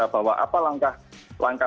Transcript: bahwa apa langkah langkah